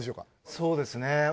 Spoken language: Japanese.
そうですね